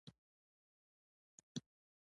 له همدې امله محدودالمسوولیت شرکتونه راڅرګند شول.